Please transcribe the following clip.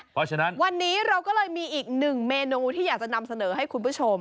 เพราะฉะนั้นวันนี้เราก็เลยมีอีกหนึ่งเมนูที่อยากจะนำเสนอให้คุณผู้ชม